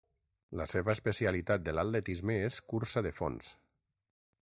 La seva especialitat de l'atletisme és cursa de fons.